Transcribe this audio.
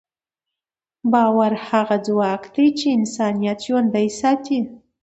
باور هغه ځواک دی چې انسانیت ژوندی ساتي.